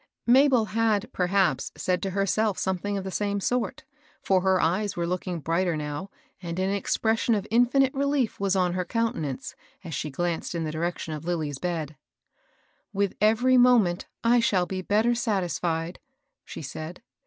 " Mabel had, perhaps, said to herself something of the same sort ; for her eyes were looking brighter now, and an expression of infinite relief was on her countenance as she glanced in the directioii of Lilly's bed. ANOTHER VISITOR. 827 With every moment, I shall be better satis fied," she said.